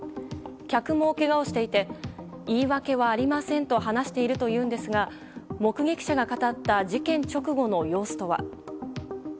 客もけがをしていて言い訳はありませんと話しているというのですが目撃者が語った事件直後の様子とは。